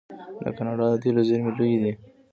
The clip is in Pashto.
د کاناډا د تیلو زیرمې لویې دي.